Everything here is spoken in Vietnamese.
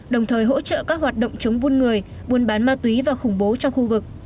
đồng thời hỗ trợ các hoạt động chống buôn người buôn bán ma túy và khủng bố trong khu vực